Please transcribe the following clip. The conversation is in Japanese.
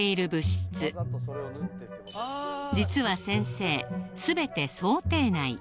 質実は先生全て想定内